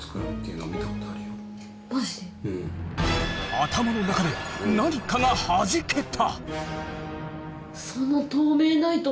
頭の中で何かがはじけた！